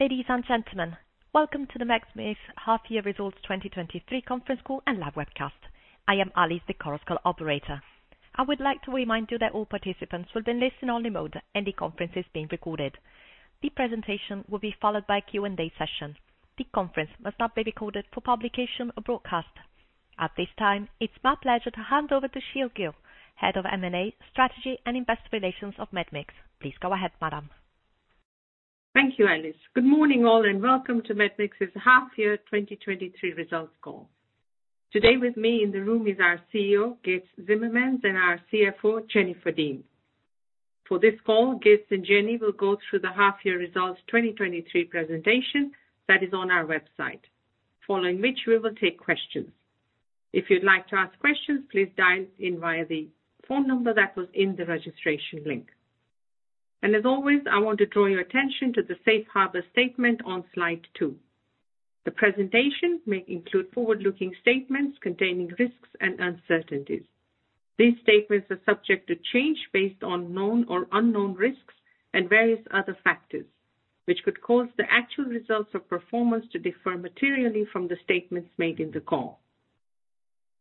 Ladies and gentlemen, welcome to the Medmix Half Year Results 2023 Conference Call and live webcast. I am Alice, the conference call operator. I would like to remind you that all participants will be in listen-only mode, and the conference is being recorded. The presentation will be followed by a Q&A session. The conference must not be recorded for publication or broadcast. At this time, it's my pleasure to hand over to Sheel Gill, Head of M&A, Strategy, and Investor Relations of Medmix. Please go ahead, madam. Thank you, Alice. Good morning, all, welcome to Medmix's Half Year 2023 Results Call. Today with me in the room is our CEO, Girts Cimermans, and our CFO, Jennifer Dean. For this call, Girts and Jennifer will go through the half year results 2023 presentation that is on our website, following which we will take questions. If you'd like to ask questions, please dial in via the phone number that was in the registration link. As always, I want to draw your attention to the safe harbor statement on slide two. The presentation may include forward-looking statements containing risks and uncertainties. These statements are subject to change based on known or unknown risks and various other factors, which could cause the actual results or performance to differ materially from the statements made in the call.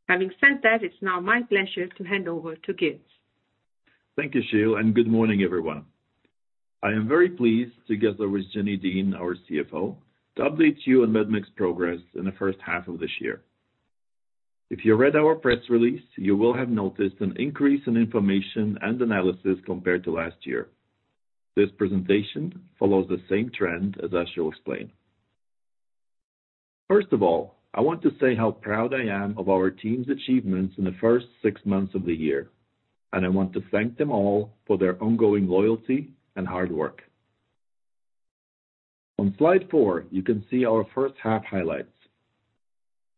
Having said that, it's now my pleasure to hand over to Girts. Thank you, Sheel, and good morning, everyone. I am very pleased, together with Jenni Dean, our CFO, to update you on Medmix's progress in the first half of this year. If you read our press release, you will have noticed an increase in information and analysis compared to last year. This presentation follows the same trend as I shall explain. First of all, I want to say how proud I am of our team's achievements in the first six months of the year, and I want to thank them all for their ongoing loyalty and hard work. On slide four, you can see our first half highlights.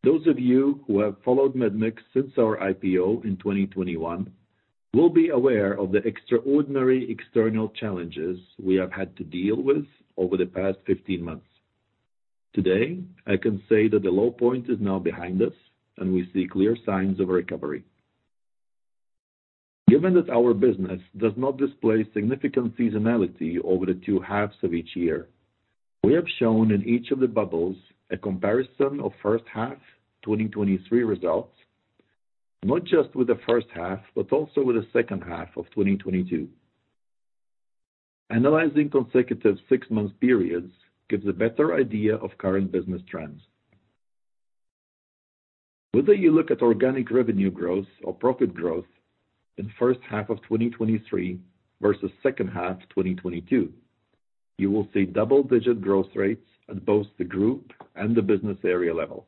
Those of you who have followed Medmix since our IPO in 2021 will be aware of the extraordinary external challenges we have had to deal with over the past 15 months. Today, I can say that the low point is now behind us and we see clear signs of recovery. Given that our business does not display significant seasonality over the two halves of each year, we have shown in each of the bubbles a comparison of first half 2023 results, not just with the first half, but also with the second half of 2022. Analyzing consecutive six-month periods gives a better idea of current business trends. Whether you look at organic revenue growth or profit growth in first half of 2023 versus second half 2022, you will see double-digit growth rates at both the group and the business area level.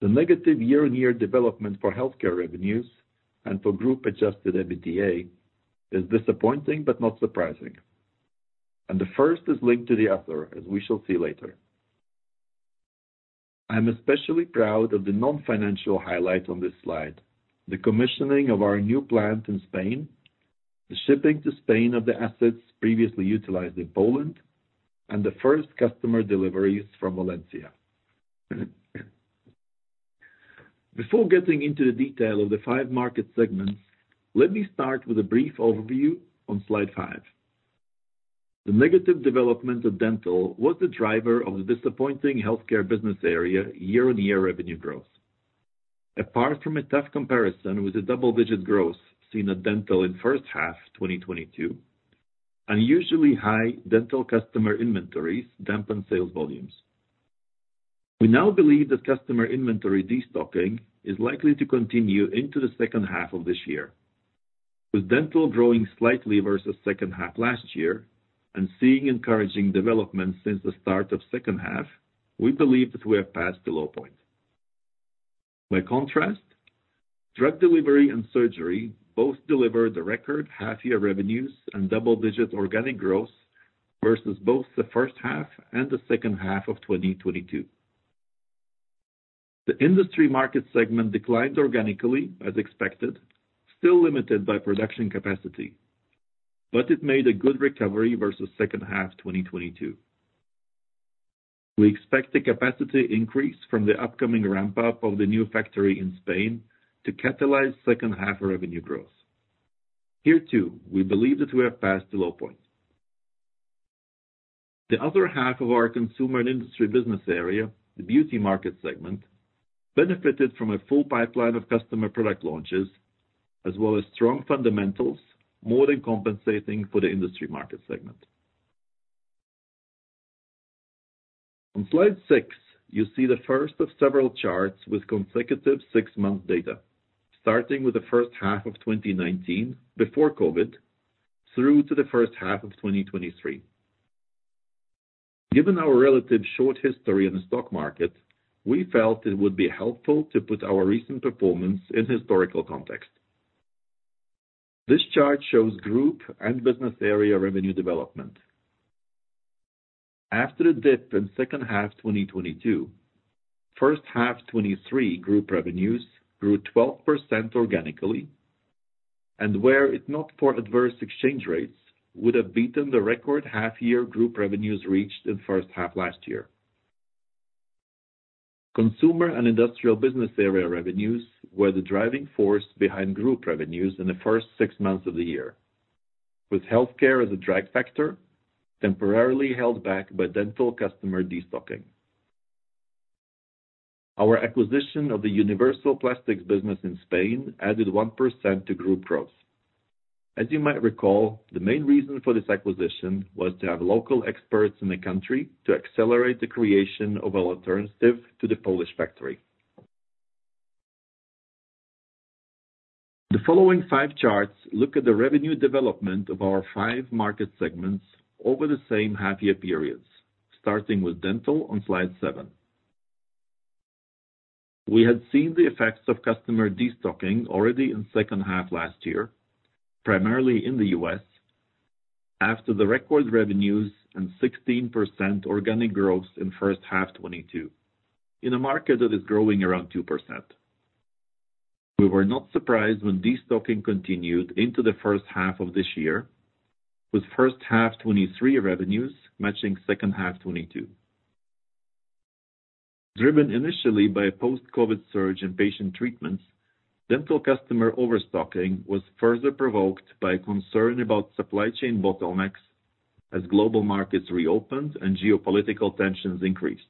The negative year-over-year development for healthcare revenues and for group-adjusted EBITDA is disappointing but not surprising. The first is linked to the other, as we shall see later. I'm especially proud of the non-financial highlights on this slide. The commissioning of our new plant in Spain, the shipping to Spain of the assets previously utilized in Poland, and the first customer deliveries from Valencia. Before getting into the detail of the five market segments, let me start with a brief overview on slide five. The negative development of dental was the driver of the disappointing healthcare business area year-on-year revenue growth. Apart from a tough comparison with the double-digit growth seen at dental in first half 2022, unusually high dental customer inventories dampened sales volumes. We now believe that customer inventory destocking is likely to continue into the second half of this year. With dental growing slightly versus second half last year and seeing encouraging developments since the start of second half, we believe that we have passed the low point. By contrast, drug delivery and surgery both delivered the record half-year revenues and double-digit organic growth versus both the first half and the second half of 2022. The industry market segment declined organically as expected, still limited by production capacity, but it made a good recovery versus second half 2022. We expect a capacity increase from the upcoming ramp-up of the new factory in Spain to catalyze second-half revenue growth. Here, too, we believe that we have passed the low point. The other half of our consumer and industry business area, the beauty market segment, benefited from a full pipeline of customer product launches, as well as strong fundamentals, more than compensating for the industry market segment. On slide six, you see the first of several charts with consecutive six-month data, starting with the first half of 2019, before COVID, through to the first half of 2023. Given our relative short history in the stock market, we felt it would be helpful to put our recent performance in historical context. This chart shows group and business area revenue development. After the dip in second half 2022, first half 2023 group revenues grew 12% organically, and were it not for adverse exchange rates, would have beaten the record half year group revenues reached in first half last year. Consumer and industrial business area revenues were the driving force behind group revenues in the first six months of the year, with healthcare as a drag factor, temporarily held back by dental customer destocking. Our acquisition of the Universal Plastics business in Spain added 1% to group growth. You might recall, the main reason for this acquisition was to have local experts in the country to accelerate the creation of an alternative to the Polish factory. The following five charts look at the revenue development of our five market segments over the same half-year periods, starting with dental on slide seven. We had seen the effects of customer destocking already in second half last year, primarily in the U.S., after the record revenues and 16% organic growth in first half 2022, in a market that is growing around 2%. We were not surprised when destocking continued into the first half of this year, with first half 2023 revenues matching second half 2022. Driven initially by a post-Covid surge in patient treatments, dental customer overstocking was further provoked by concern about supply chain bottlenecks as global markets reopened and geopolitical tensions increased,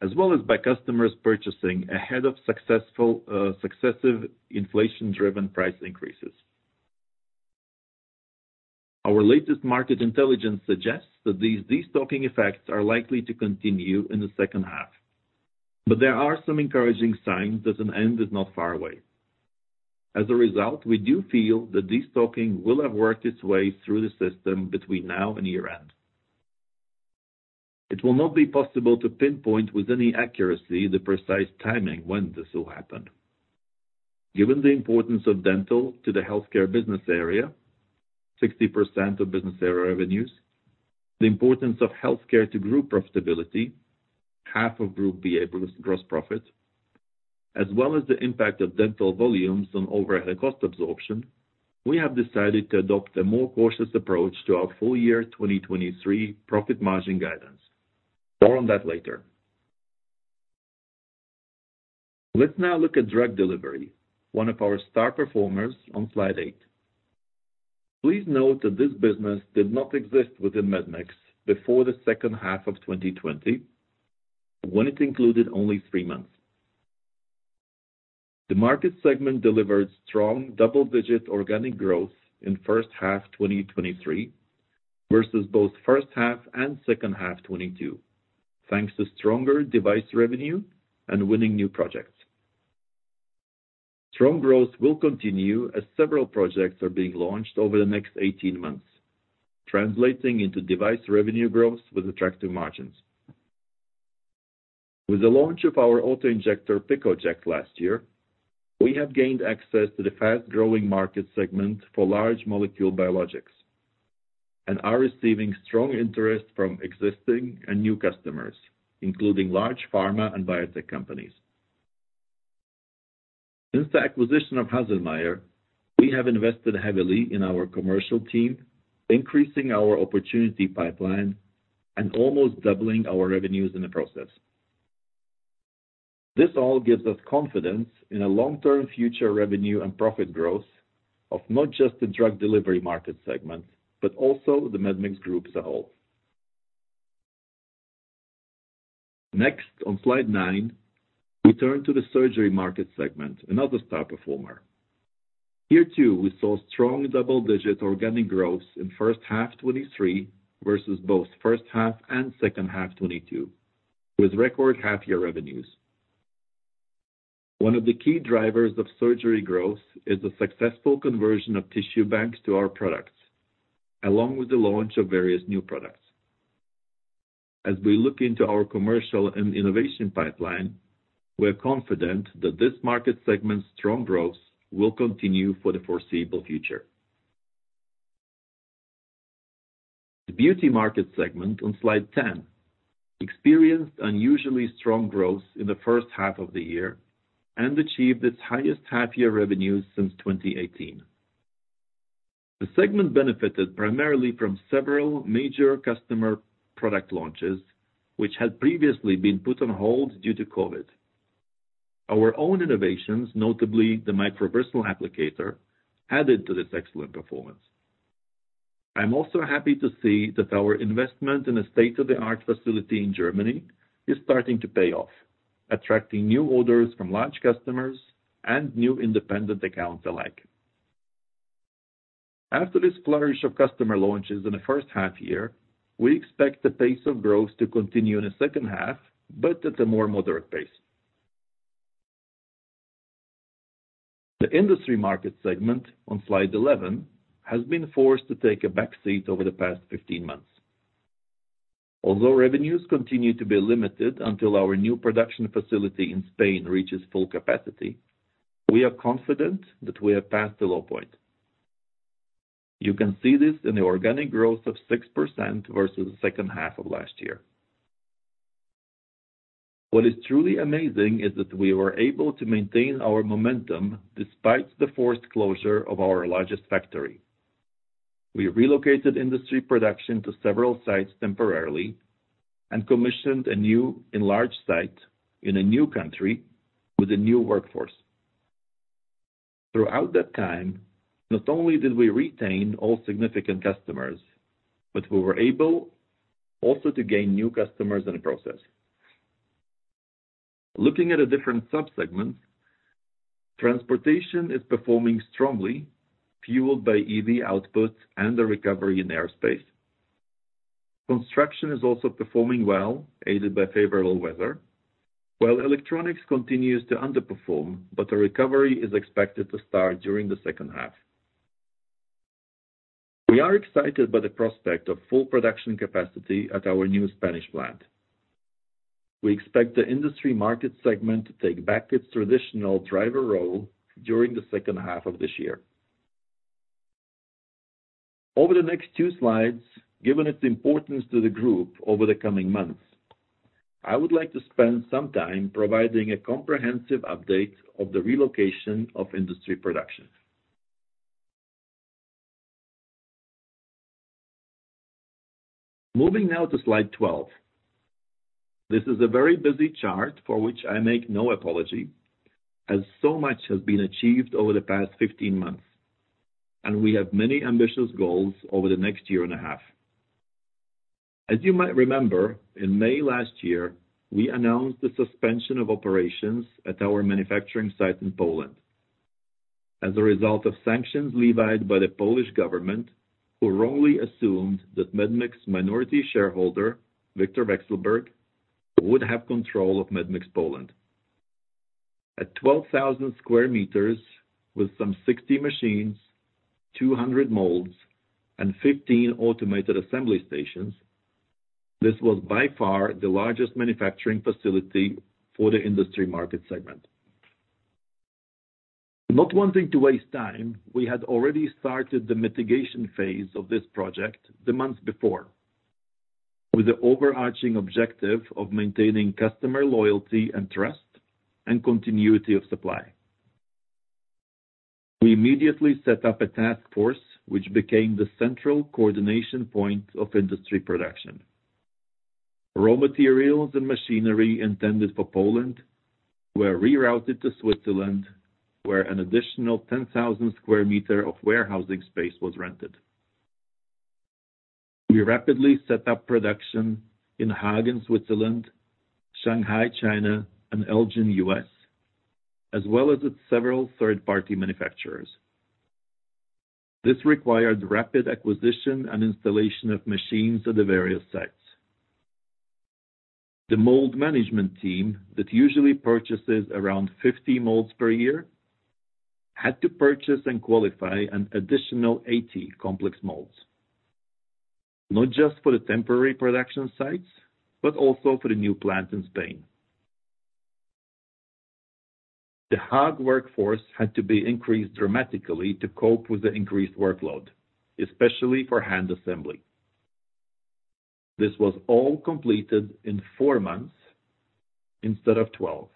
as well as by customers purchasing ahead of successful, successive inflation-driven price increases. Our latest market intelligence suggests that these destocking effects are likely to continue in the second half, but there are some encouraging signs that an end is not far away. As a result, we do feel that destocking will have worked its way through the system between now and year-end. It will not be possible to pinpoint with any accuracy the precise timing when this will happen. Given the importance of dental to the healthcare business area, 60% of business area revenues, the importance of healthcare to group profitability, half of group BA gross profit, as well as the impact of dental volumes on overhead cost absorption, we have decided to adopt a more cautious approach to our full year 2023 profit margin guidance. More on that later. Let's now look at drug delivery, one of our star performers on Slide eight. Please note that this business did not exist within Medmix before the second half of 2020, when it included only three months. The market segment delivered strong double-digit organic growth in first half 2023 versus both first half and second half 2022, thanks to stronger device revenue and winning new projects. Strong growth will continue as several projects are being launched over the next 18 months, translating into device revenue growth with attractive margins. With the launch of our auto-injector, PiccoJect, last year, we have gained access to the fast-growing market segment for large molecule biologics and are receiving strong interest from existing and new customers, including large pharma and biotech companies. Since the acquisition of Haselmeier, we have invested heavily in our commercial team, increasing our opportunity pipeline and almost doubling our revenues in the process. This all gives us confidence in a long-term future revenue and profit growth of not just the drug delivery market segment, but also the Medmix groups as a whole. On slide nine, we turn to the surgery market segment, another star performer. Here, too, we saw strong double-digit organic growth in first half 2023 versus both first half and second half 2022, with record half-year revenues. One of the key drivers of surgery growth is the successful conversion of tissue banks to our products, along with the launch of various new products. As we look into our commercial and innovation pipeline, we are confident that this market segment's strong growth will continue for the foreseeable future. The beauty market segment on slide 10 experienced unusually strong growth in the first half of the year and achieved its highest half-year revenues since 2018. The segment benefited primarily from several major customer product launches, which had previously been put on hold due to COVID. Our own innovations, notably the micro universal applicator, added to this excellent performance. I'm also happy to see that our investment in a state-of-the-art facility in Germany is starting to pay off, attracting new orders from large customers and new independent accounts alike. After this flourish of customer launches in the first half year, we expect the pace of growth to continue in the second half, but at a more moderate pace. The industry market segment, on slide 11, has been forced to take a backseat over the past 15 months. Although revenues continue to be limited until our new production facility in Spain reaches full capacity, we are confident that we have passed the low point. You can see this in the organic growth of 6% versus the second half of last year. What is truly amazing is that we were able to maintain our momentum despite the forced closure of our largest factory. We relocated industry production to several sites temporarily and commissioned a new enlarged site in a new country with a new workforce. Throughout that time, not only did we retain all significant customers, but we were able also to gain new customers in the process. Looking at a different sub-segment, transportation is performing strongly, fueled by EV outputs and the recovery in airspace. Construction is also performing well, aided by favorable weather, while electronics continues to underperform, but a recovery is expected to start during the second half. We are excited by the prospect of full production capacity at our new Spanish plant. We expect the industry market segment to take back its traditional driver role during the second half of this year. Over the next two slides, given its importance to the group over the coming months, I would like to spend some time providing a comprehensive update of the relocation of industry production. Moving now to slide 12. This is a very busy chart for which I make no apology, as so much has been achieved over the past 15 months, and we have many ambitious goals over the next year and a half. As you might remember, in May last year, we announced the suspension of operations at our manufacturing site in Poland as a result of sanctions levied by the Polish government, who wrongly assumed that Medmix minority shareholder, Viktor Vekselberg, would have control of Medmix Poland. At 12,000 square meters with some 60 machines, 200 molds, and 15 automated assembly stations, this was by far the largest manufacturing facility for the industry market segment. Not wanting to waste time, we had already started the mitigation phase of this project the month before, with the overarching objective of maintaining customer loyalty and trust and continuity of supply. We immediately set up a task force, which became the central coordination point of industry production. Raw materials and machinery intended for Poland were rerouted to Switzerland, where an additional 10,000 square meter of warehousing space was rented. We rapidly set up production in Haag in Switzerland, Shanghai, China, and Elgin, U.S., as well as its several third-party manufacturers. This required rapid acquisition and installation of machines at the various sites. The mold management team that usually purchases around 50 molds per year, had to purchase and qualify an additional 80 complex molds, not just for the temporary production sites, but also for the new plant in Spain. The Haag workforce had to be increased dramatically to cope with the increased workload, especially for hand assembly. This was all completed in four months instead of 12 months.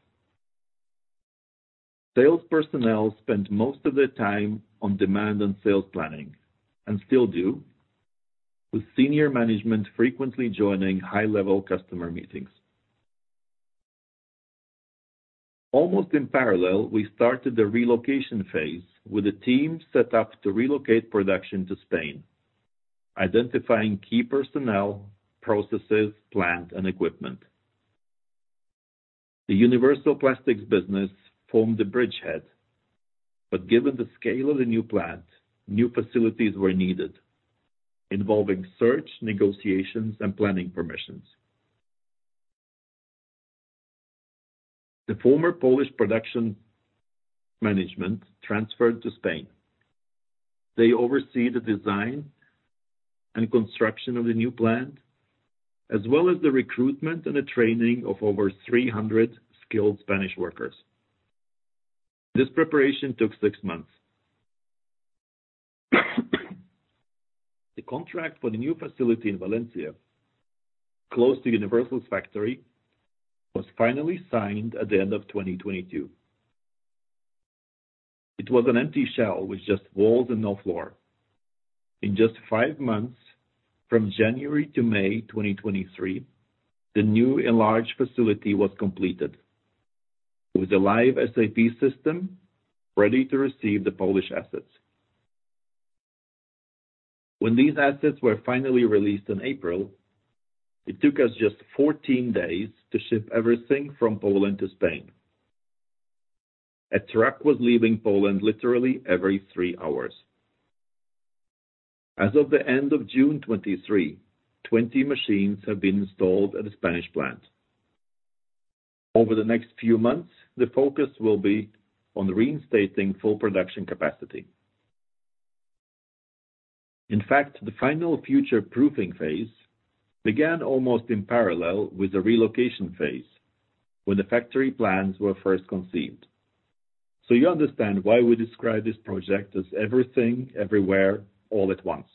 Sales personnel spent most of their time on demand and sales planning, and still do, with senior management frequently joining high-level customer meetings. Almost in parallel, we started the relocation phase with a team set up to relocate production to Spain, identifying key personnel, processes, plant, and equipment. The Universal Plastics business formed a bridgehead, but given the scale of the new plant, new facilities were needed, involving search, negotiations, and planning permissions. The former Polish production management transferred to Spain. They oversee the design and construction of the new plant, as well as the recruitment and the training of over 300 skilled Spanish workers. This preparation took six months. The contract for the new facility in Valencia, close to Universal's factory, was finally signed at the end of 2022. It was an empty shell with just walls and no floor. In just five months, from January to May 2023, the new enlarged facility was completed with a live SAP system ready to receive the Polish assets. When these assets were finally released in April, it took us just 14 days to ship everything from Poland to Spain. A truck was leaving Poland literally every three hours. As of the end of June 2023, 20 machines have been installed at the Spanish plant. Over the next few months, the focus will be on reinstating full production capacity. In fact, the final future-proofing phase began almost in parallel with the relocation phase when the factory plans were first conceived. You understand why we describe this project as everything, everywhere, all at once.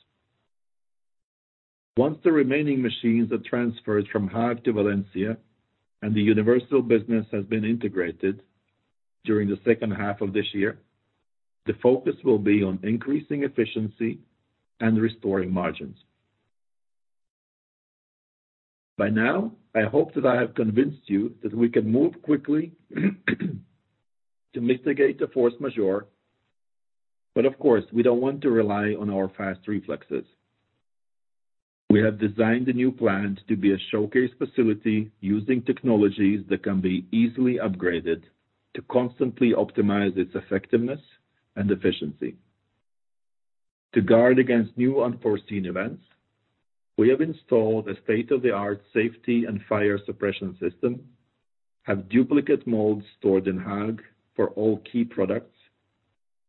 Once the remaining machines are transferred from Haag to Valencia, and the Universal business has been integrated during the second half of this year, the focus will be on increasing efficiency and restoring margins. By now, I hope that I have convinced you that we can move quickly, to mitigate the force majeure. Of course, we don't want to rely on our fast reflexes. We have designed the new plant to be a showcase facility, using technologies that can be easily upgraded to constantly optimize its effectiveness and efficiency. To guard against new unforeseen events, we have installed a state-of-the-art safety and fire suppression system, have duplicate molds stored in Haag for all key products,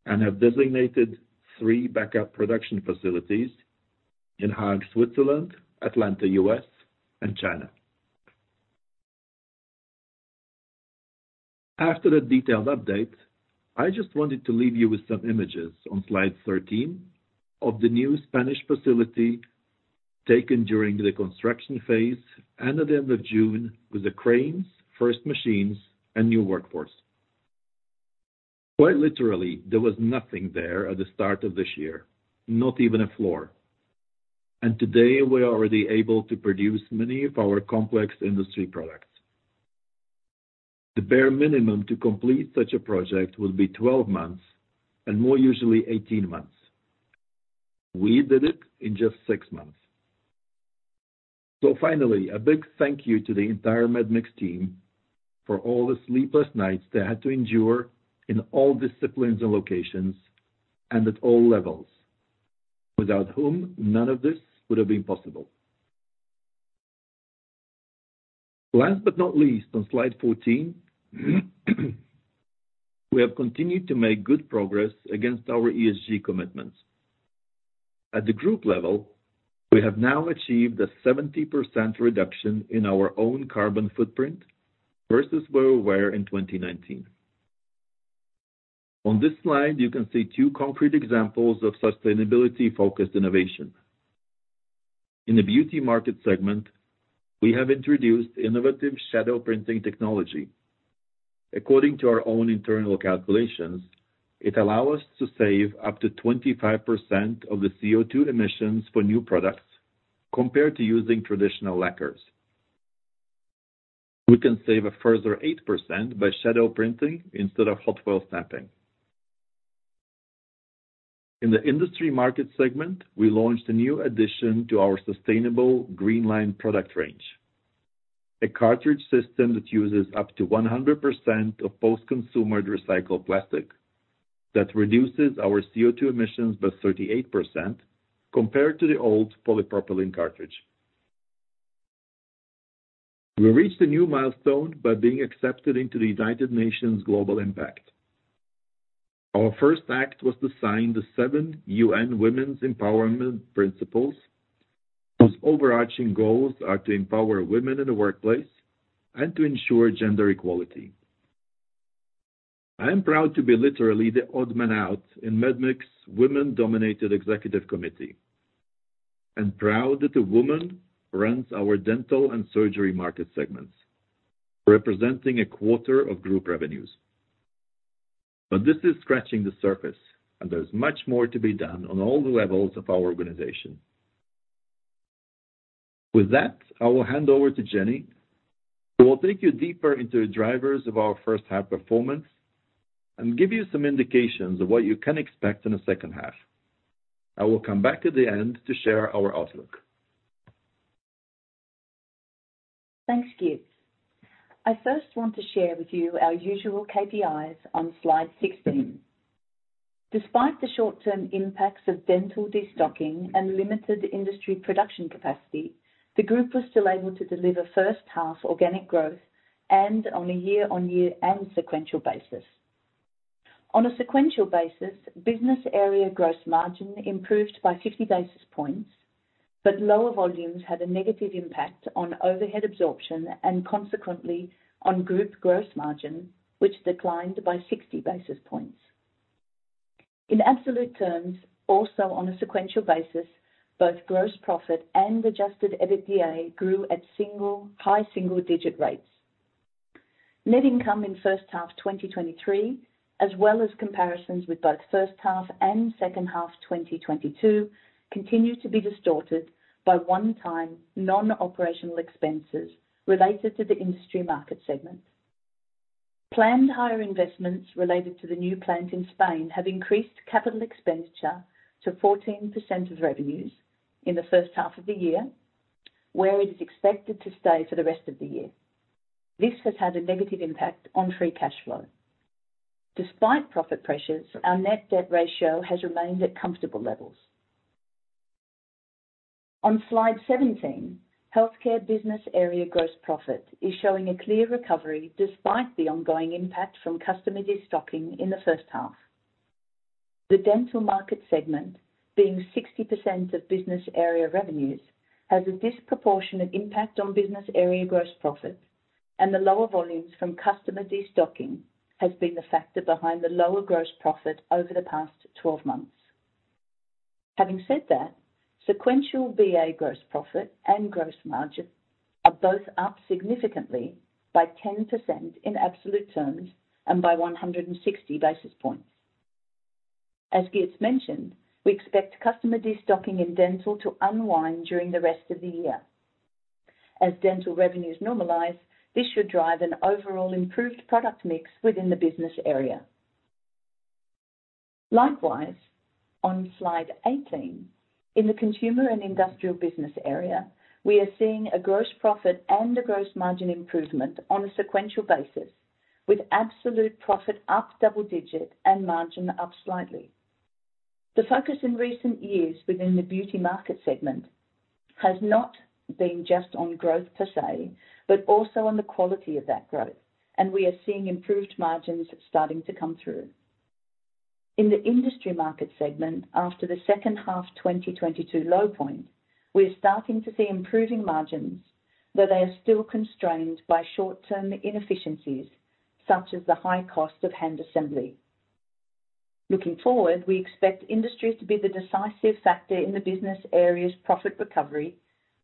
and have designated three backup production facilities in Haag, Switzerland, Atlanta, U.S., and China. After the detailed update, I just wanted to leave you with some images on slide 13 of the new Spanish facility taken during the construction phase and at the end of June, with the cranes, first machines, and new workforce. Quite literally, there was nothing there at the start of this year, not even a floor, and today, we're already able to produce many of our complex industry products. The bare minimum to complete such a project would be 12 months, and more usually 18 months. We did it in just six months. Finally, a big thank you to the entire Medmix team for all the sleepless nights they had to endure in all disciplines and locations, and at all levels, without whom none of this would have been possible. Last but not least, on slide 14, we have continued to make good progress against our ESG commitments. At the group level, we have now achieved a 70% reduction in our own carbon footprint versus where we were in 2019. On this slide, you can see two concrete examples of sustainability-focused innovation. In the beauty market segment, we have introduced innovative Shadow Printing technology. According to our own internal calculations, it allow us to save up to 25% of the CO2 emissions for new products compared to using traditional lacquers. We can save a further 8% by Shadow Printing instead of hot foil stamping. In the industry market segment, we launched a new addition to our sustainable GreenLine product range. A cartridge system that uses up to 100% of post-consumer recycled plastic, that reduces our CO2 emissions by 38% compared to the old polypropylene cartridge. We reached a new milestone by being accepted into the United Nations Global Compact. Our first act was to sign the seven UN Women's Empowerment Principles, whose overarching goals are to empower women in the workplace and to ensure gender equality. I am proud to be literally the odd man out in Medmix's women-dominated executive committee, and proud that a woman runs our dental and surgery market segments, representing quarter of group revenues. This is scratching the surface, and there's much more to be done on all levels of our organization. With that, I will hand over to Jenni, who will take you deeper into the drivers of our first half performance and give you some indications of what you can expect in the second half. I will come back at the end to share our outlook. Thanks, Girts. I first want to share with you our usual KPIs on slide 16. Despite the short-term impacts of dental destocking and limited industry production capacity, the group was still able to deliver first half organic growth, and on a year-on-year and sequential basis. On a sequential basis, business area gross margin improved by 50 basis points, but lower volumes had a negative impact on overhead absorption and consequently on group gross margin, which declined by 60 basis points. In absolute terms, also on a sequential basis, both gross profit and adjusted EBITDA grew at single, high single-digit rates. Net income in first half 2023, as well as comparisons with both first half and second half 2022, continue to be distorted by one-time non-operational expenses related to the industry market segment. Planned higher investments related to the new plant in Spain have increased capital expenditure to 14% of revenues in the first half of the year, where it is expected to stay for the rest of the year. This has had a negative impact on free cash flow. Despite profit pressures, our net debt ratio has remained at comfortable levels. On slide 17, healthcare business area gross profit is showing a clear recovery, despite the ongoing impact from customer destocking in the first half. The dental market segment, being 60% of business area revenues, has a disproportionate impact on business area gross profit. The lower volumes from customer destocking has been the factor behind the lower gross profit over the past 12 months. Having said that, sequential BA gross profit and gross margin are both up significantly by 10% in absolute terms and by 160 basis points. As Girts mentioned, we expect customer destocking in dental to unwind during the rest of the year. As dental revenues normalize, this should drive an overall improved product mix within the business area. Likewise, on slide 18, in the consumer and industrial business area, we are seeing a gross profit and a gross margin improvement on a sequential basis, with absolute profit up double digit and margin up slightly. The focus in recent years within the beauty market segment has not been just on growth per se, but also on the quality of that growth, we are seeing improved margins starting to come through. In the industry market segment, after the second half 2022 low point, we are starting to see improving margins, though they are still constrained by short-term inefficiencies, such as the high cost of hand assembly. Looking forward, we expect industries to be the decisive factor in the business areas profit recovery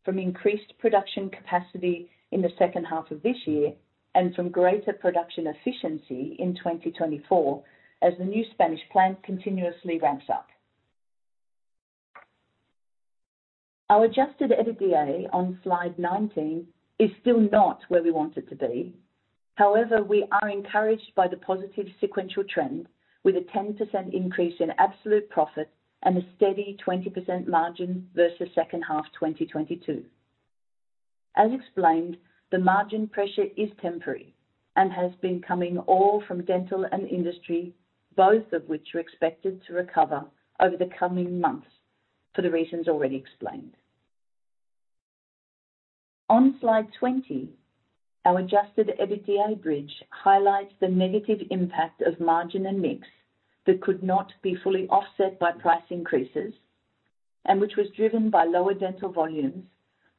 from increased production capacity in the second half of this year and from greater production efficiency in 2024, as the new Spanish plant continuously ramps up. Our adjusted EBITDA on slide 19 is still not where we want it to be. However, we are encouraged by the positive sequential trend, with a 10% increase in absolute profit and a steady 20% margin versus second half 2022. As explained, the margin pressure is temporary and has been coming all from dental and industry, both of which are expected to recover over the coming months for the reasons already explained. On slide 20, our adjusted EBITDA bridge highlights the negative impact of margin and mix that could not be fully offset by price increases, and which was driven by lower dental volumes,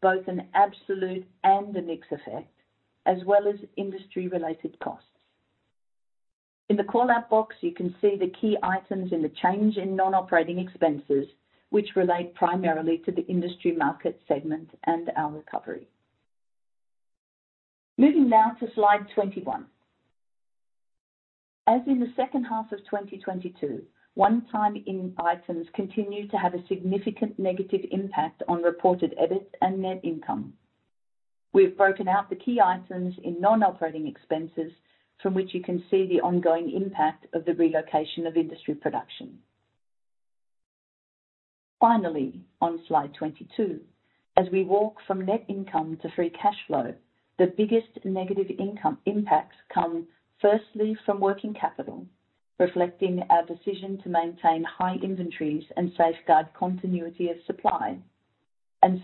both in absolute and the mix effect, as well as industry-related costs. In the callout box, you can see the key items in the change in non-operating expenses, which relate primarily to the industry market segment and our recovery. Moving now to slide 21. As in the second half of 2022, one time in items continue to have a significant negative impact on reported EBIT and net income. We have broken out the key items in non-operating expenses from which you can see the ongoing impact of the relocation of industry production. Finally, on slide 22, as we walk from net income to free cash flow, the biggest negative income impacts come firstly from working capital, reflecting our decision to maintain high inventories and safeguard continuity of supply.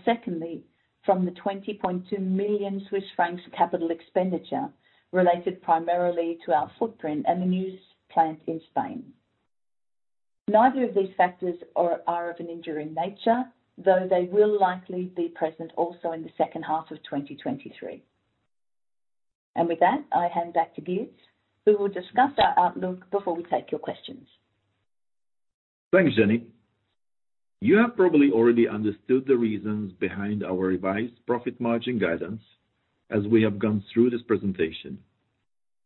Secondly, from the 20.2 million Swiss francs CapEx related primarily to our footprint and the new plant in Spain. Neither of these factors are of an enduring nature, though they will likely be present also in the second half of 2023. With that, I hand back to Girts, who will discuss our outlook before we take your questions. Thanks, Jenni. You have probably already understood the reasons behind our revised profit margin guidance as we have gone through this presentation,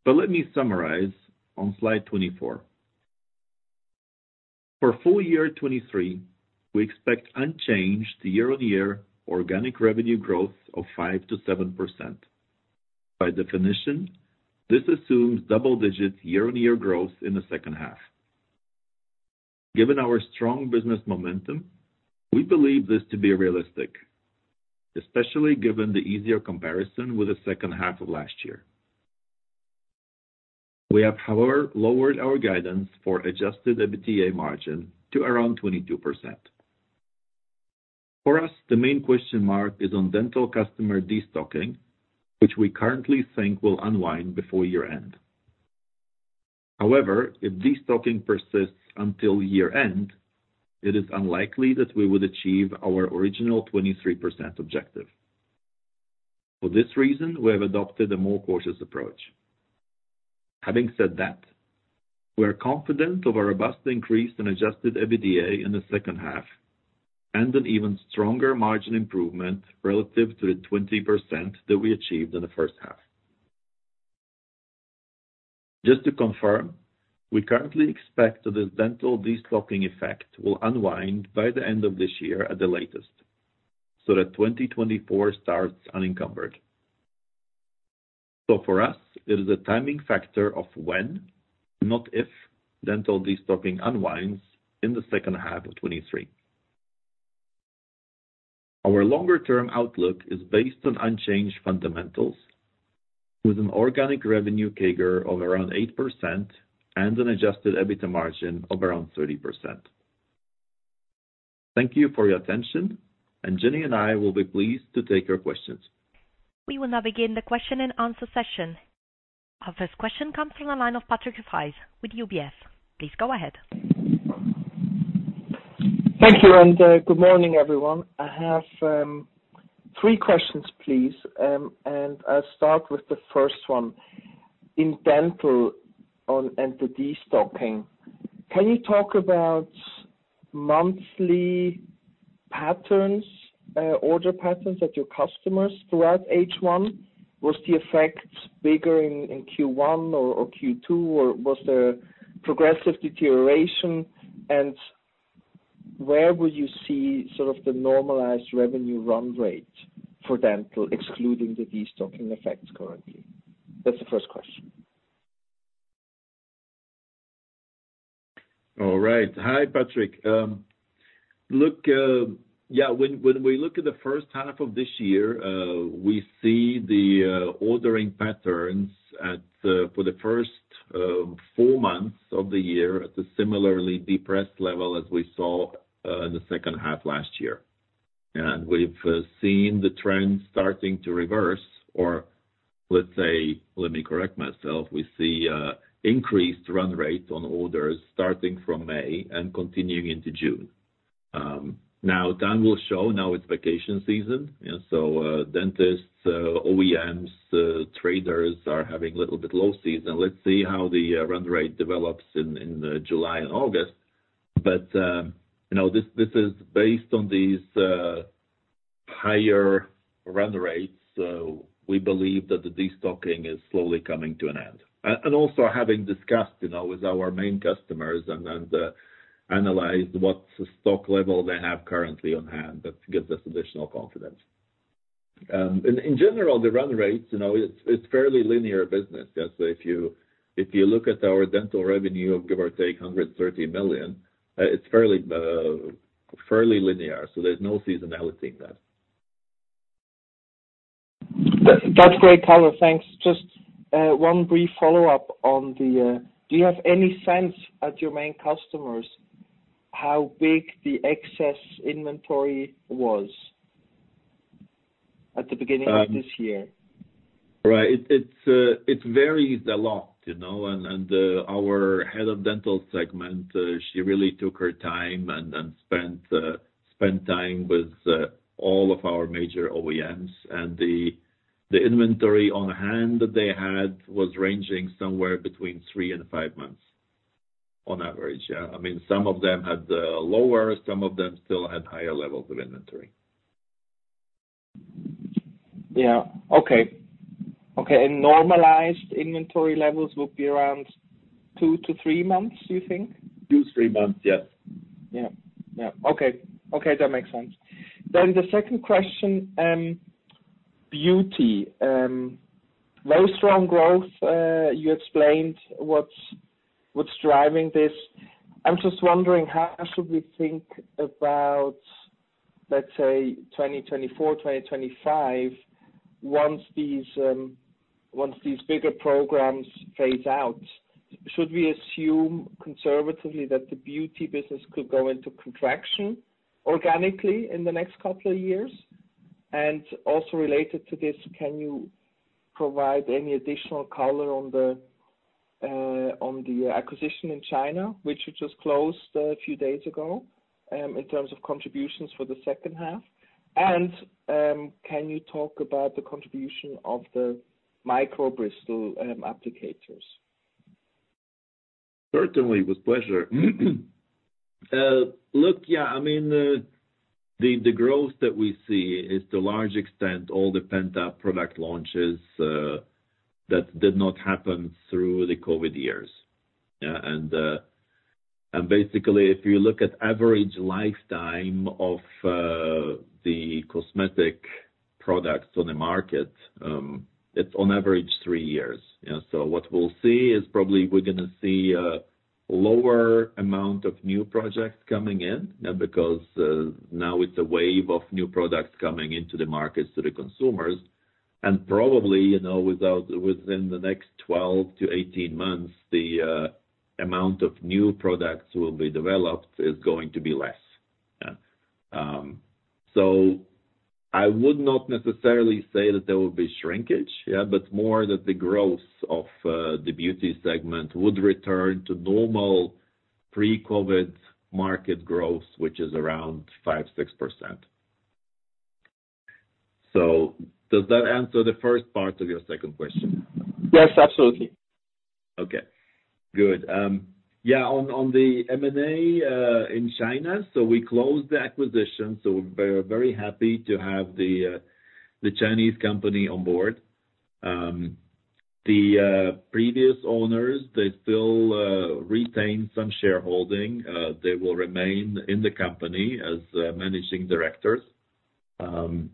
but let me summarize on slide 24. For full year 2023, we expect unchanged year-over-year organic revenue growth of 5%-7%. By definition, this assumes double-digit year-over-year growth in the second half. Given our strong business momentum, we believe this to be realistic, especially given the easier comparison with the second half of last year. We have, however, lowered our guidance for adjusted EBITDA margin to around 22%. For us, the main question mark is on dental customer destocking, which we currently think will unwind before year-end. If destocking persists until year-end, it is unlikely that we would achieve our original 23% objective. For this reason, we have adopted a more cautious approach. Having said that, we are confident of a robust increase in adjusted EBITDA in the second half and an even stronger margin improvement relative to the 20% that we achieved in the first half. Just to confirm, we currently expect that this dental destocking effect will unwind by the end of this year at the latest, that 2024 starts unencumbered. For us, it is a timing factor of when, not if, dental destocking unwinds in the second half of 2023. Our longer-term outlook is based on unchanged fundamentals with an organic revenue CAGR of around 8% and an adjusted EBITDA margin of around 30%. Thank you for your attention. Jenni and I will be pleased to take your questions. We will now begin the question and answer session. Our first question comes from the line of Patrick Rafaisz with UBS. Please go ahead. Thank you, and good morning, everyone. I have three questions, please, and I'll start with the first one. In dental on and the destocking, can you talk about monthly patterns, order patterns at your customers throughout H1? Was the effect bigger in Q1 or Q2, or was there progressive deterioration? Where would you see sort of the normalized revenue run rate for dental excluding the destocking effects currently? That's the first question. All right. Hi, Patrick. Look, yeah, when we look at the first half of this year, we see the ordering patterns at for the first four months of the year at a similarly depressed level as we saw in the second half last year. We've seen the trend starting to reverse or let's say. Let me correct myself. We see increased run rate on orders starting from May and continuing into June. Now time will show, now it's vacation season, so dentists, OEMs, traders are having little bit low season. Let's see how the run rate develops in July and August. You know, this is based on these higher run rates. We believe that the destocking is slowly coming to an end. Also having discussed, you know, with our main customers and analyzed what stock level they have currently on hand, that gives us additional confidence. In general, the run rates, you know, it's fairly linear business. Yeah. If you look at our dental revenue of give or take 130 million, it's fairly linear, so there's no seasonality in that. That's great color. Thanks. Just one brief follow-up on the. Do you have any sense at your main customers, how big the excess inventory was at the beginning of this year? Right. It's, it varies a lot, you know, and our head of dental segment, she really took her time and spent time with all of our major OEMs. The inventory on hand that they had was ranging somewhere between three and five months on average. Yeah. I mean, some of them had lower, some of them still had higher levels of inventory. Yeah. Okay. Okay, normalized inventory levels would be around two-three months, you think? two, three months, yes. Yeah. Yeah. Okay. Okay, that makes sense. The second question, beauty. Very strong growth, you explained what's driving this. I'm just wondering, how should we think about, let's say, 2024, 2025, once these bigger programs phase out? Should we assume conservatively that the beauty business could go into contraction organically in the next couple of years? Also related to this, can you provide any additional color on the acquisition in China, which you just closed a few days ago, in terms of contributions for the second half? Can you talk about the contribution of the microbristle applicators? Certainly, with pleasure. Look, yeah, I mean, the growth that we see is to a large extent all the pent-up product launches that did not happen through the COVID years. Basically, if you look at average lifetime of the cosmetic products on the market, it's on average three years. Yeah, so what we'll see is probably we're gonna see a lower amount of new projects coming in, yeah, because now it's a wave of new products coming into the markets to the consumers. Probably, you know, within the next 12-18 months, the amount of new products will be developed is going to be less. Yeah. I would not necessarily say that there will be shrinkage, yeah, but more that the growth of the beauty segment would return to normal pre-COVID market growth, which is around 5%-6%. Does that answer the first part of your second question? Yes, absolutely. Okay, good. Yeah, on the M&A in China, we closed the acquisition, so we're very happy to have the Chinese company on board. The previous owners, they still retain some shareholding. They will remain in the company as managing directors, and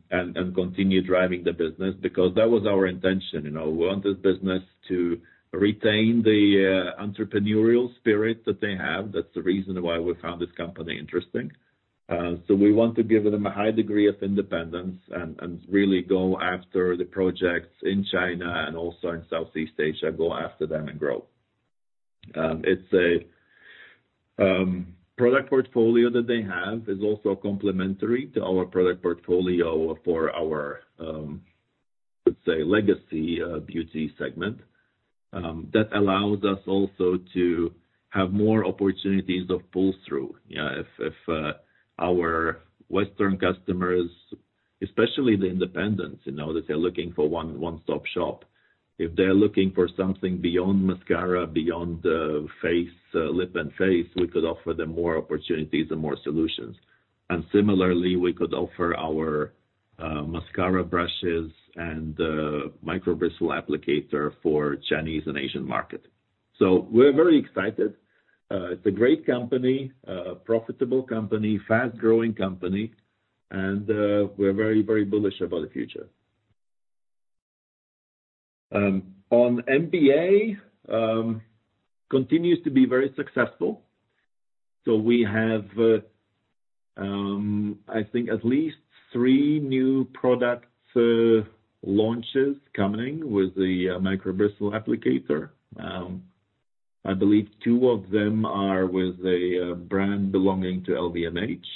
continue driving the business, because that was our intention. You know, we want this business to retain the entrepreneurial spirit that they have. That's the reason why we found this company interesting. We want to give them a high degree of independence and really go after the projects in China and also in Southeast Asia, go after them and grow. It's a product portfolio that they have is also complementary to our product portfolio for our, I would say, legacy, beauty segment. That allows us also to have more opportunities of pull-through. You know, if, our Western customers, especially the independents, you know, that they're looking for one-stop shop. If they're looking for something beyond mascara, beyond face, lip and face, we could offer them more opportunities and more solutions. Similarly, we could offer our mascara brushes and microbristle applicator for Chinese and Asian market. We're very excited. It's a great company, a profitable company, fast-growing company, and we're very, very bullish about the future. On MBA, continues to be very successful. We have, I think at least three new product launches coming with the microbristle applicator. I believe two of them are with a brand belonging to LVMH.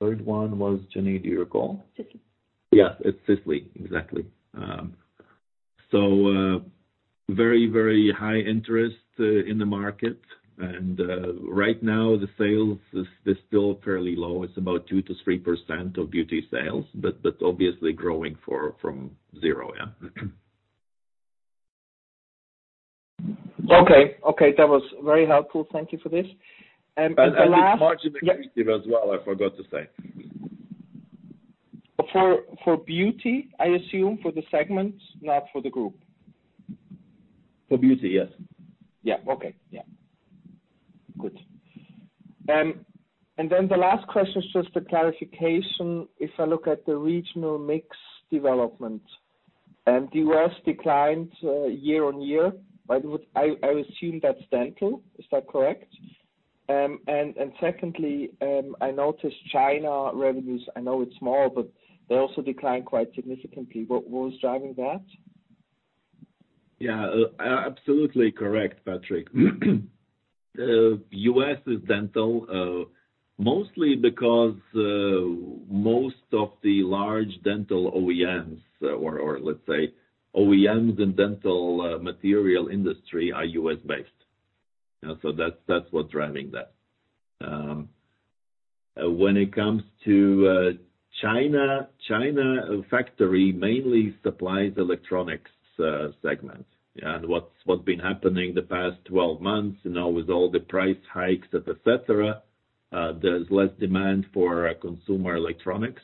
Third one was, Jenny, do you recall? Sisley. Yes, it's Sisley. Exactly. Very, very high interest in the market. Right now, the sales is still fairly low. It's about 2%-3% of beauty sales, but obviously growing from zero, yeah. Okay. Okay, that was very helpful. Thank you for this. It's marginally positive as well, I forgot to say. For beauty, I assume, for the segment, not for the group? For beauty, yes. Yeah. Okay. Yeah. Good. The last question is just a clarification. If I look at the regional mix development, the U.S. declined year-on-year, I assume that's dental. Is that correct? Secondly, I noticed China revenues, I know it's small, they also declined quite significantly. What was driving that? Yeah. Absolutely correct, Patrick. U.S. is dental, mostly because most of the large dental OEMs, or let's say, OEMs and dental material industry are U.S.-based. That's what's driving that. When it comes to China factory mainly supplies electronics segment. What's been happening the past 12 months, you know, with all the price hikes, et cetera, there's less demand for consumer electronics.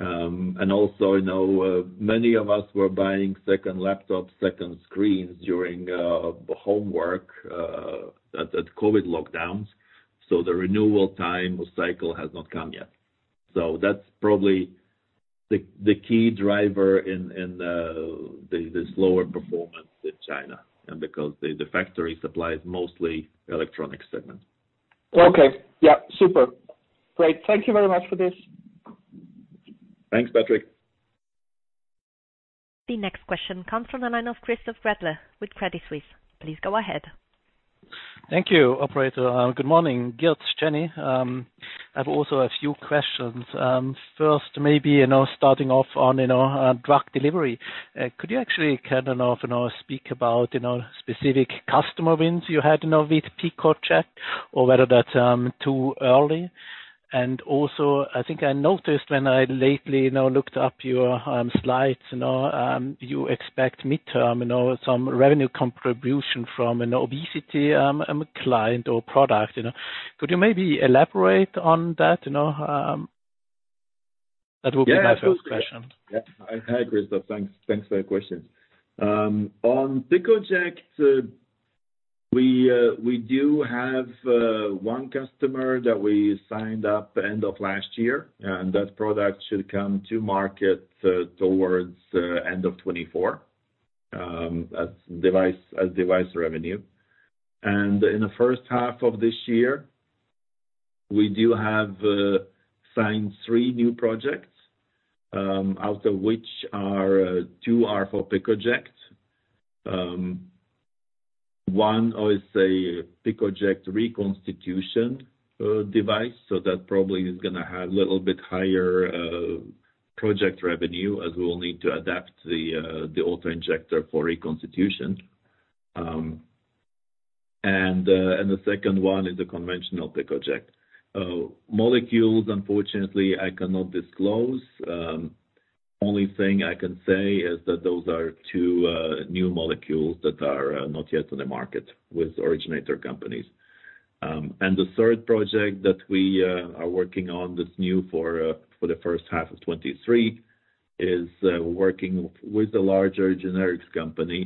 Also, you know, many of us were buying second laptops, second screens during the homework at COVID lockdowns, the renewal time or cycle has not come yet. That's probably the key driver in the slower performance in China, and because the factory supplies mostly electronic segment. Okay. Yeah, super. Great. Thank you very much for this. Thanks, Patrick. The next question comes from the line of Christoph Schweizer with Credit Suisse. Please go ahead. Thank you, operator. Good morning, Girts, Jenni. I've also a few questions. First, maybe, you know, starting off on, you know, on drug delivery. Could you actually kind of, you know, speak about, you know, specific customer wins you had, you know, with PiccoJect, or whether that's too early? Also, I think I noticed when I lately, you know, looked up your slides, you know, you expect midterm, you know, some revenue contribution from an obesity client or product, you know. Could you maybe elaborate on that, you know? That would be my first question. Yeah. Hi, Christoph. Thanks. Thanks for the question. On PiccoJect, we do have one customer that we signed up end of last year, that product should come to market towards end of 2024 as device revenue. In the first half of this year, we do have signed three new projects, out of which two are for PiccoJect. One is a PiccoJect reconstitution device, that probably is gonna have a little bit higher project revenue, as we will need to adapt the auto-injector for reconstitution. The second one is the conventional PiccoJect. Molecules, unfortunately, I cannot disclose. Only thing I can say is that those are two new molecules that are not yet on the market with originator companies. The third project that we are working on, that's new for the first half of 2023, is working with a larger generics company,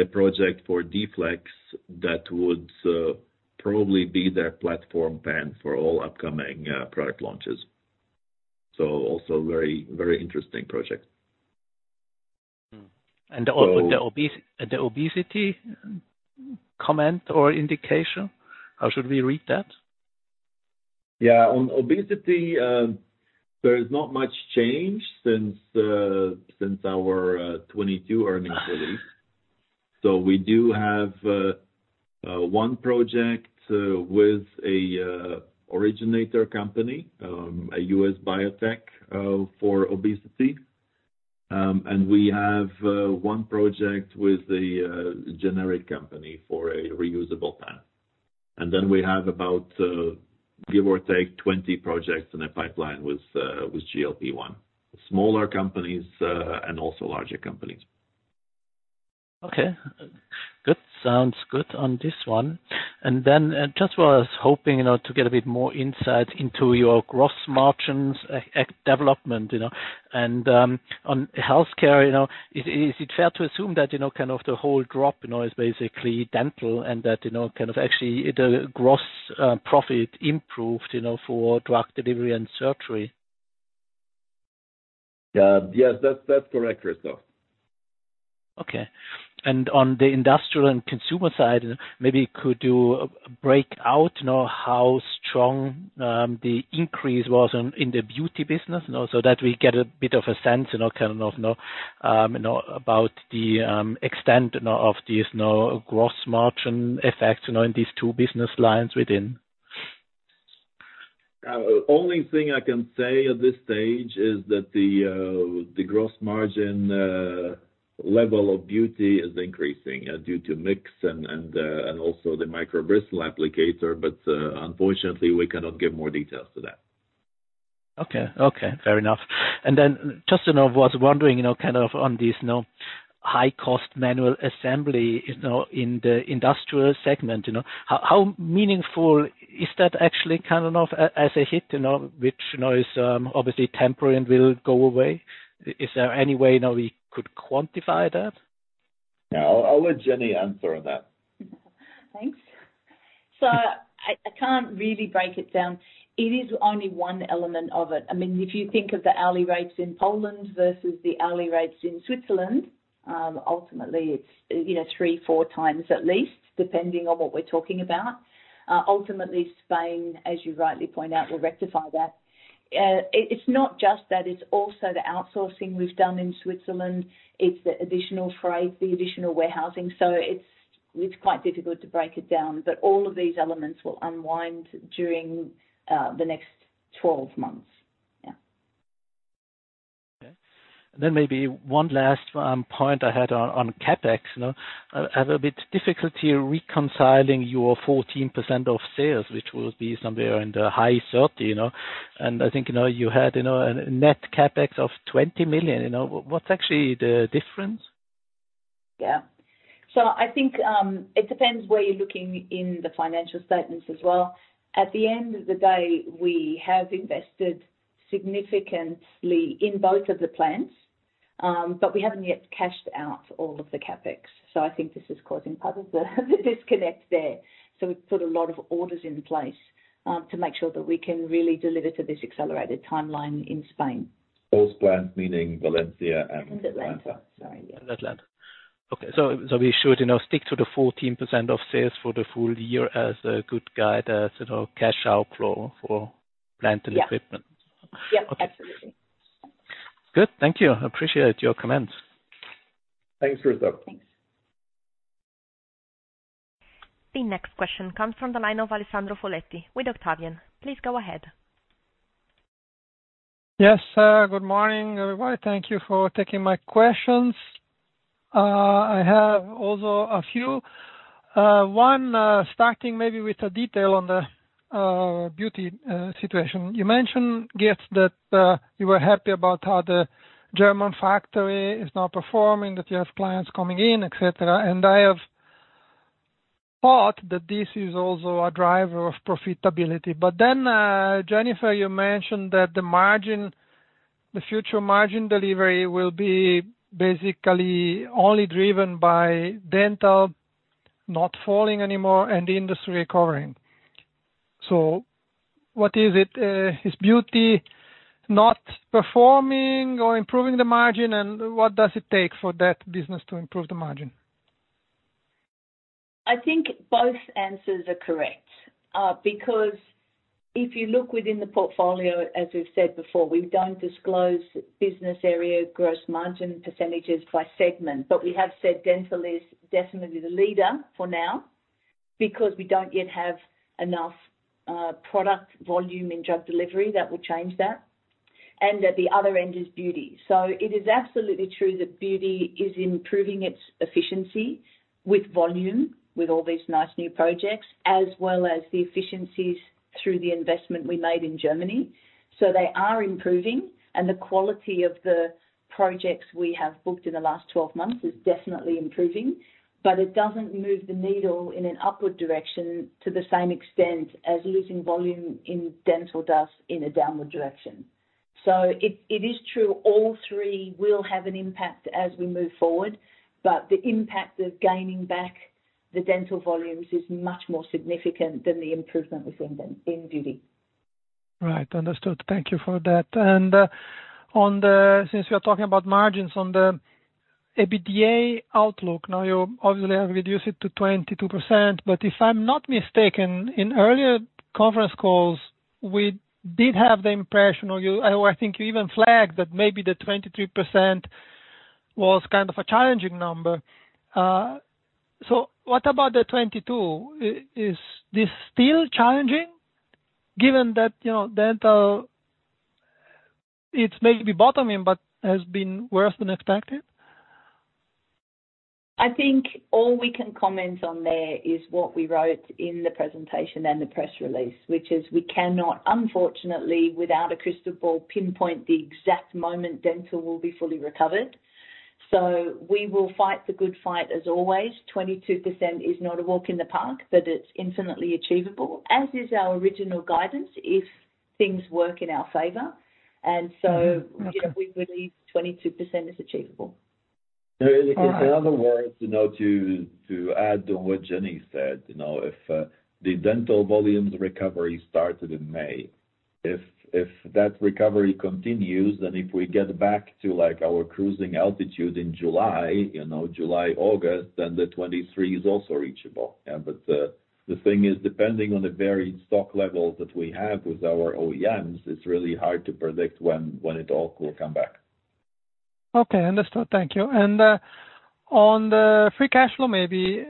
a project for D-Flex that would probably be their platform pen for all upcoming product launches. Also very, very interesting project. Hmm. So. Also the obesity comment or indication, how should we read that? Yeah. On obesity, there is not much change since our 2022 earnings release. We do have one project with a originator company, a U.S. biotech, for obesity. We have one project with a generic company for a reusable plan. We have about, give or take, 20 projects in the pipeline with GLP-1. Smaller companies and also larger companies. Okay. Good. Sounds good on this one. Just was hoping, you know, to get a bit more insight into your gross margins development, you know. On healthcare, you know, is it fair to assume that, you know, kind of the whole drop, you know, is basically dental and that, you know, kind of actually the gross profit improved, you know, for drug delivery and surgery? Yes, that's correct, Christoph. Okay. On the industrial and consumer side, maybe could you break out, you know, how strong the increase was in the beauty business? You know, so that we get a bit of a sense, you know, kind of, you know, about the extent, you know, of this, you know, gross margin effect, you know, in these two business lines within. Only thing I can say at this stage is that the gross margin, level of beauty is increasing, due to mix and also the microbristle applicator. Unfortunately, we cannot give more details to that. Okay. Okay, fair enough. Then just, you know, was wondering, you know, kind of on this, you know, high cost manual assembly, you know, in the industrial segment, you know, how meaningful is that actually, kind of as a hit, you know, which, you know, is obviously temporary and will go away? Is there any way, you know, we could quantify that? Yeah. I'll let Jenni answer on that. Thanks. I can't really break it down. It is only one element of it. I mean, if you think of the hourly rates in Poland versus the hourly rates in Switzerland, ultimately it's, you know, three, four times at least, depending on what we're talking about. Ultimately, Spain, as you rightly point out, will rectify that. It's not just that, it's also the outsourcing we've done in Switzerland. It's the additional freight, the additional warehousing. It's, it's quite difficult to break it down, but all of these elements will unwind during the next 12 months. Yeah. Okay. Maybe one last, point I had on CapEx, you know. I have a bit difficulty reconciling your 14% of sales, which will be somewhere in the high 30 million, you know. I think, you know, you had, you know, a net CapEx of 20 million, you know. What's actually the difference? Yeah. I think it depends where you're looking in the financial statements as well. At the end of the day, we have invested significantly in both of the plants, but we haven't yet cashed out all of the CapEx. I think this is causing part of the disconnect there. We've put a lot of orders in place to make sure that we can really deliver to this accelerated timeline in Spain. Both plants, meaning Valencia and. Atlanta. Sorry, yeah. Atlanta. Okay, so we should, you know, stick to the 14% of sales for the full year as a good guide, as, you know, cash outflow for plant and equipment? Yeah. Yep, absolutely. Good. Thank you. I appreciate your comments. Thanks, Christoph. Thanks. The next question comes from the line of Alessandro Foletti with Octavian. Please go ahead. Yes, good morning, everybody. Thank you for taking my questions. I have also a few. One, starting maybe with a detail on the beauty situation. You mentioned, Girts, that you were happy about how the German factory is now performing, that you have clients coming in, et cetera. I have thought that this is also a driver of profitability. Jennifer, you mentioned that the future margin delivery will be basically only driven by dental not falling anymore and the industry recovering. What is it, is beauty not performing or improving the margin? What does it take for that business to improve the margin? I think both answers are correct. If you look within the portfolio, as we've said before, we don't disclose business area gross margin percentages by segment. We have said dental is definitely the leader for now. We don't yet have enough product volume in drug delivery that will change that, and at the other end is beauty. It is absolutely true that beauty is improving its efficiency with volume, with all these nice new projects, as well as the efficiencies through the investment we made in Germany. They are improving, and the quality of the projects we have booked in the last 12 months is definitely improving. It doesn't move the needle in an upward direction to the same extent as losing volume in dental does in a downward direction. It is true, all three will have an impact as we move forward, but the impact of gaining back the dental volumes is much more significant than the improvement within them, in beauty. Right. Understood. Thank you for that. Since we are talking about margins on the EBITDA outlook, now, you obviously have reduced it to 22%, but if I'm not mistaken, in earlier conference calls, did have the impression, or you, or I think you even flagged that maybe the 23% was kind of a challenging number. What about the 22%? Is this still challenging given that, you know, dental, it's maybe bottoming, but has been worse than expected? I think all we can comment on there is what we wrote in the presentation and the press release, which is we cannot, unfortunately, without a crystal ball, pinpoint the exact moment dental will be fully recovered. We will fight the good fight as always. 22% is not a walk in the park, but it's infinitely achievable, as is our original guidance if things work in our favor. Mm-hmm. Okay. We believe 22% is achievable. In other words, you know, to add on what Jenni said, you know, if the dental volumes recovery started in May, if that recovery continues, and if we get back to, like, our cruising altitude in July, you know, July, August, then the 23% is also reachable. The thing is, depending on the varied stock levels that we have with our OEMs, it's really hard to predict when it all will come back. Okay, understood. Thank you. On the free cash flow, maybe,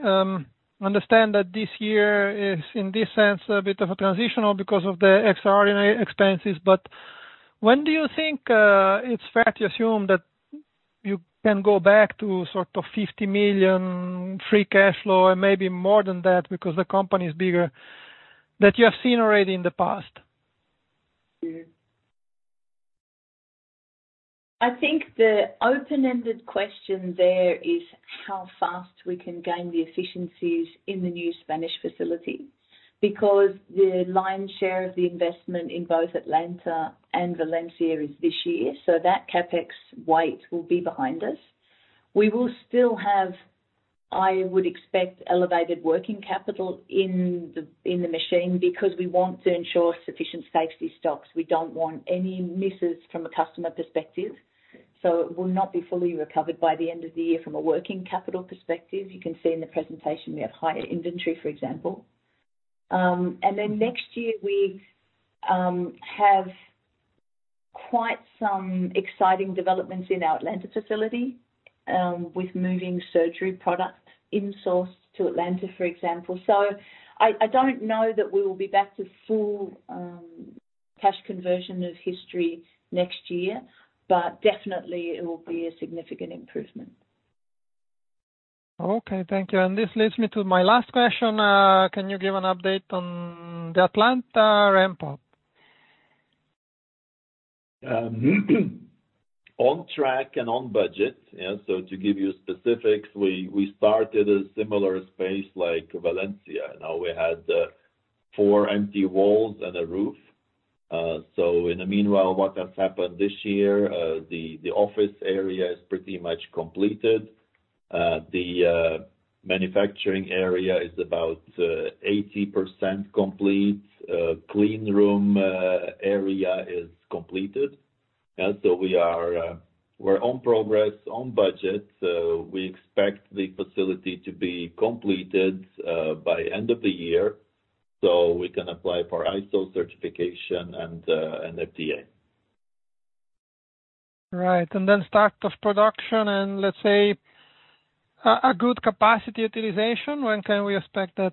understand that this year is, in this sense, a bit of a transitional because of the extraordinary expenses. When do you think it's fair to assume that you can go back to sort of 50 million free cash flow and maybe more than that, because the company is bigger, that you have seen already in the past? I think the open-ended question there is how fast we can gain the efficiencies in the new Spanish facility. The lion's share of the investment in both Atlanta and Valencia is this year, so that CapEx weight will be behind us. We will still have, I would expect, elevated working capital in the machine because we want to ensure sufficient safety stocks. We don't want any misses from a customer perspective, so it will not be fully recovered by the end of the year from a working capital perspective. You can see in the presentation we have higher inventory, for example. Next year, we have quite some exciting developments in our Atlanta facility with moving surgery products insourced to Atlanta, for example. I don't know that we will be back to full cash conversion of history next year, but definitely it will be a significant improvement. Okay, thank you. This leads me to my last question. Can you give an update on the Atlanta ramp-up? On track and on budget. To give you specifics, we started a similar space like Valencia. We had four empty walls and a roof. In the meanwhile, what has happened this year, the office area is pretty much completed. The manufacturing area is about 80% complete. Clean room area is completed. We're on progress, on budget, we expect the facility to be completed by end of the year, so we can apply for ISO certification and FDA. Right, then start of production and let's say, a good capacity utilization, when can we expect that?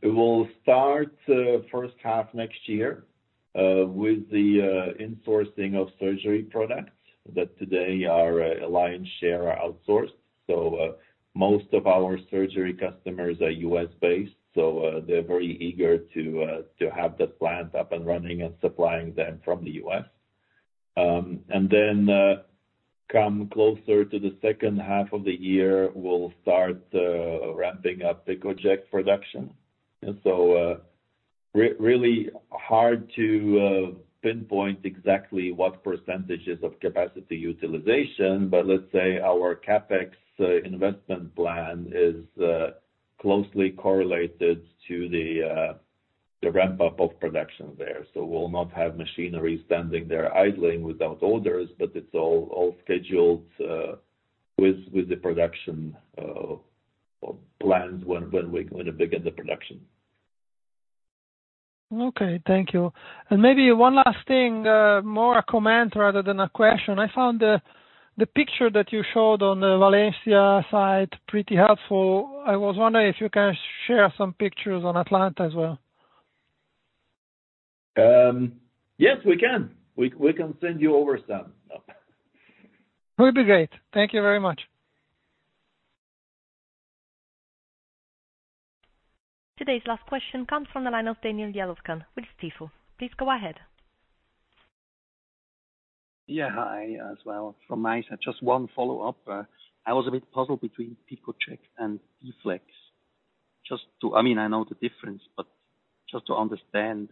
It will start first half next year with the insourcing of surgery products, that today are a lion's share are outsourced. Most of our surgery customers are US-based, so they're very eager to have the plant up and running and supplying them from the US. Come closer to the second half of the year, we'll start ramping up the PiccoJect production. Really hard to pinpoint exactly what percentages of capacity utilization, but let's say our CapEx investment plan is closely correlated to the ramp-up of production there. We'll not have machinery standing there idling without orders, but it's all scheduled with the production plans when we begin the production. Okay, thank you. Maybe one last thing, more a comment rather than a question. I found the picture that you showed on the Valencia site pretty helpful. I was wondering if you can share some pictures on Atlanta as well. Yes, we can. We can send you over some. Would be great. Thank you very much. Today's last question comes from the line of Daniel Jelovcan with Stifel. Please go ahead. Hi, as well, from my side, just one follow-up. I was a bit puzzled between PiccoJect and D-Flex. I mean, I know the difference, but just to understand,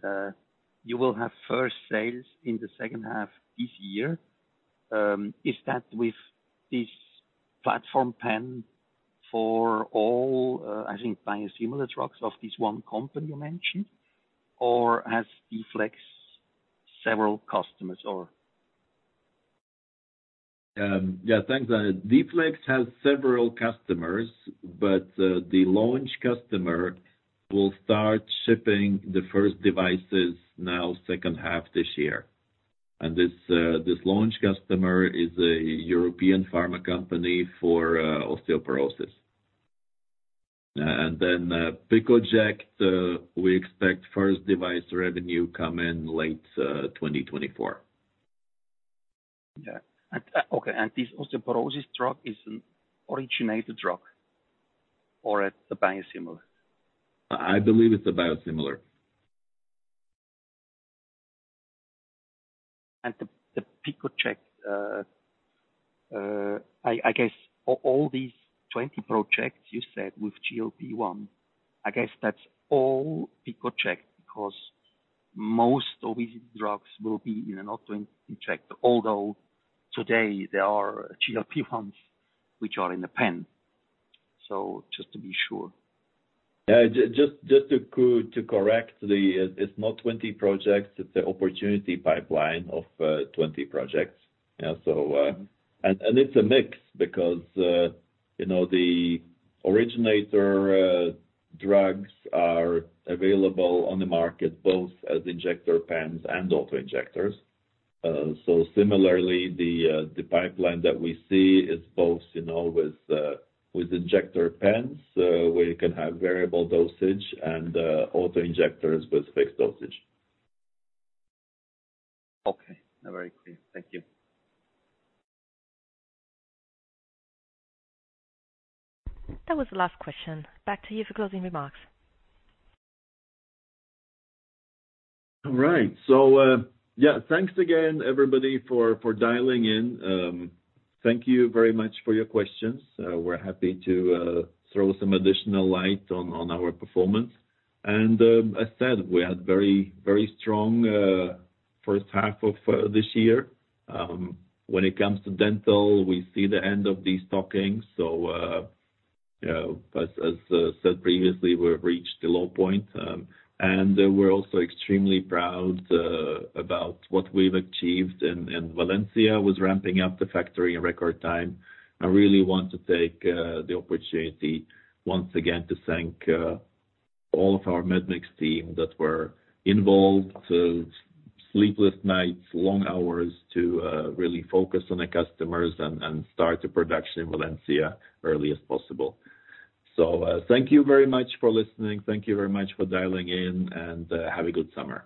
you will have first sales in the second half this year. Is that with this platform pen for all, I think biosimilar drugs of this one company you mentioned, or has D-Flex several customers, or? Yeah, thanks. D-Flex has several customers, but the launch customer will start shipping the first devices now, second half this year. This launch customer is a European pharma company for osteoporosis. PiccoJect, we expect first device revenue come in late 2024. Yeah. Okay, this osteoporosis drug is an originator drug or it's a biosimilar? I believe it's a biosimilar. The PiccoJect, I guess all these 20 projects you said with GLP-1, I guess that's all PiccoJect, because most obesity drugs will be in an auto-injector. Although today there are GLP-1 which are in the pen. Just to be sure. Just to correct the, it's not 20 projects, it's an opportunity pipeline of 20 projects. It's a mix because, you know, the originator drugs are available on the market, both as injector pens and auto-injectors. Similarly, the pipeline that we see is both, you know, with injector pens, where you can have variable dosage and auto-injectors with fixed dosage. Okay. Very clear. Thank you. That was the last question. Back to you for closing remarks. All right. Yeah, thanks again, everybody, for dialing in. Thank you very much for your questions. We're happy to throw some additional light on our performance. As I said, we had very strong first half of this year. When it comes to dental, we see the end of these stockings, you know, as said previously, we've reached the low point. We're also extremely proud about what we've achieved in Valencia, with ramping up the factory in record time. I really want to take the opportunity once again to thank all of our Medmix team that were involved. Sleepless nights, long hours, to really focus on the customers and start the production in Valencia early as possible. Thank you very much for listening. Thank you very much for dialing in, have a good summer.